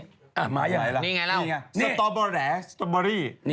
นี่ไงแล้วนี่ไงสตอเบอร์แหละสตอเบอรี่